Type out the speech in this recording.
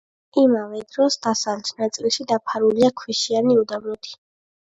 იმავე დროს დასავლეთ ნაწილი დაფარულია ქვიშიანი უდაბნოთი.